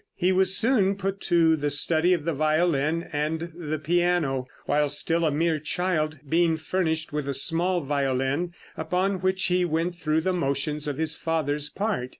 He was soon put to the study of the violin and the piano while still a mere child being furnished with a small violin, upon which he went through the motions of his father's part.